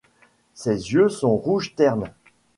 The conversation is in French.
Ses yeux sont rouge terne.